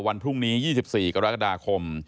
วันพรุ่งนี้๒๔กรกฎาคม